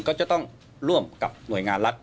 ก็จะต้องร่วมกับหน่วยงานรัฐ